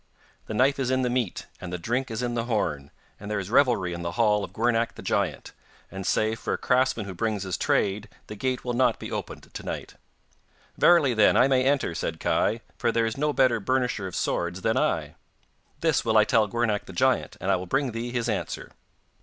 'The knife is in the meat, and the drink is in the horn, and there is revelry in the hall of Gwrnach the giant, and save for a craftsman who brings his trade the gate will not be opened to night.' 'Verily, then, I may enter,' said Kai, 'for there is no better burnisher of swords than I.' 'This will I tell Gwrnach the giant, and I will bring thee his answer.